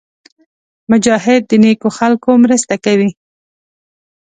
مجاهد د نېکو خلکو مرسته کوي.